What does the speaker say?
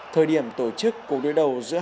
thời điểm tổ chức cuộc đối đầu giữa